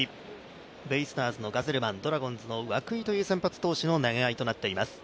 ベイスターズのガゼルマンドラゴンズの涌井という投げ合いとなっています。